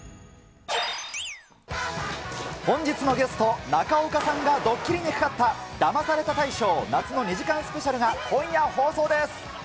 本日のゲスト、中岡さんがドッキリにかかった、ダマされた大賞夏の２時間スペシャルが今夜放送です。